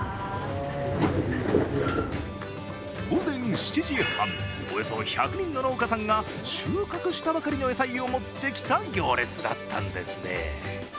午前７時半、およそ１００人の農家さんが収穫したばかりの野菜を持ってきた行列だったんですね。